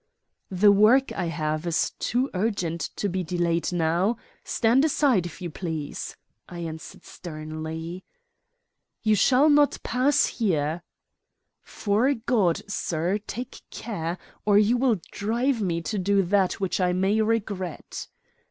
"The work I have is too urgent to be delayed now. Stand aside, if you please," I answered sternly. "You shall not pass here." "'Fore God, sir, take care, or you will drive me to do that which I may regret."